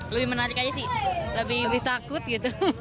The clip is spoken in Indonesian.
lebih menarik aja sih lebih takut gitu